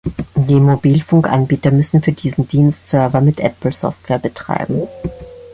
Die Mobilfunkanbieter müssen für diesen Dienst Server mit Apple-Software betreiben.